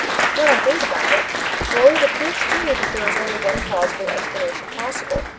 "What I think about it? Well, it appears to me that there is only one plausible explanation possible.